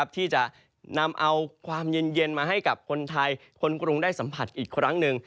ที่จะนำเอาความเย็นมาให้กับคนไทยคนกรุงได้สัมผัสอีกครั้งหนึ่ง